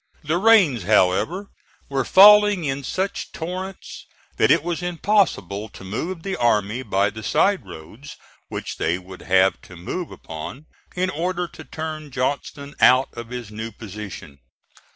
The rains, however, were falling in such torrents that it was impossible to move the army by the side roads which they would have to move upon in order to turn Johnston out of his new position.